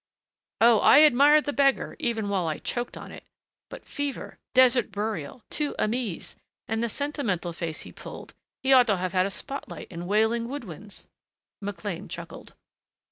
"Oh, I admired the beggar, even while I choked on it. But fever desert burial two Aimées! And the sentimental face he pulled he ought to have had a spot light and wailing woodwinds." McLean chuckled.